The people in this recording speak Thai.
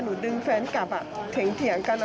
หนูดึงแฟนกลับอ่ะเถงเถียงกันอ่ะ